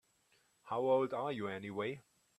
How old are you anyway?